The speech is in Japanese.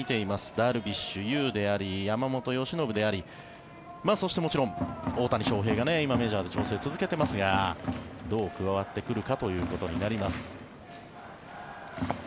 ダルビッシュ有であり山本由伸でありそして、もちろん大谷翔平選手が今メジャーで調整を続けていますがどう加わってくるかというところになります。